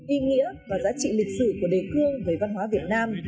ý nghĩa và giá trị lịch sử của đề cương về văn hóa việt nam